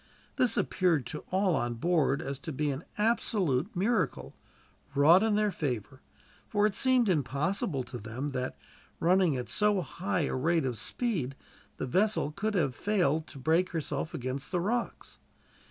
This appeared to all on board to be an absolute miracle, wrought in their favor; for it seemed impossible to them that, running at so high a rate of speed, the vessel could have failed to break herself against the rocks.